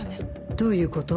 どういうこと？